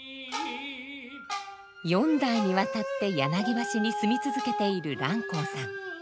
４代にわたって柳橋に住み続けている蘭黄さん。